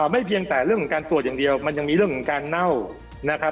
ไม่เพียงแต่เรื่องของการตรวจอย่างเดียวมันยังมีเรื่องของการเน่านะครับ